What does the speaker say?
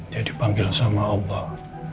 dia dipanggil sama allah